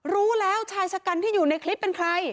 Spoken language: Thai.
รู้แล้วชายชะกันที่อยู่ในคลิปเป็นใคร